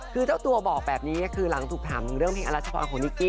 คือเจ้าตัวบอกแบบนี้คือหลังถูกถามถึงเรื่องเพลงอรัชพรของนิกกี